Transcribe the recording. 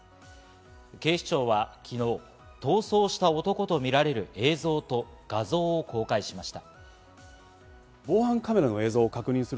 警視庁は昨日、逃走した男とみられる映像と画像を公開しました。